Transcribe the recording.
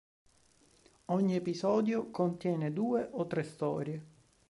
Ogni episodio contiene due o tre storie.